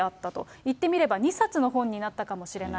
いってみれば、２冊の本になったかもしれない。